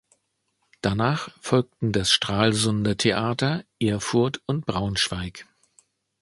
Danach folgten das Stralsunder Theater, Erfurt und Braunschweig.